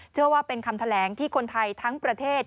เชื่อว่าเป็นคำแถลงที่คนไทยทั้งประเทศ